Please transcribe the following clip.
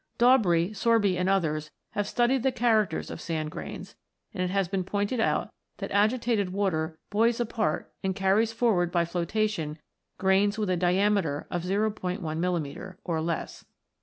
Daubree, Sorby, and others have studied the characters of sand grains, and it has been pointed out (37) that agitated water buoys apart and carries forward by flotation grains with a diameter of "1 mm. in] THE SANDSTONES 67 or less.